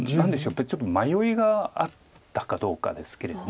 やっぱりちょっと迷いがあったかどうかですけれども。